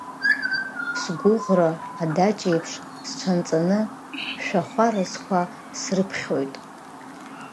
Сгәыӷра адаҷеиԥш сҽанҵаны, шәахәа разқәа срыԥхьоит.